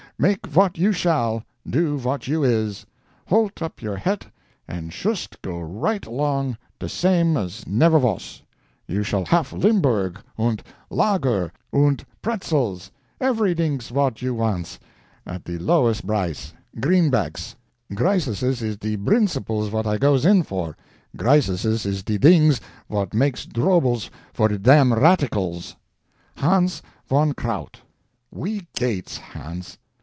Make vot you shall—do vot you is—holt up your het, and shust go right along de same as never vos. You shall haf limburg, und lager, und pretzels—every dings vot you vants, at de lowest brice—greenbecks. Grisuses is de brinciples vot I goes in for! Grisuses is de dings vot makes droubles for de dam ratticals! Hans Von Kraut. Wee gates, Hans.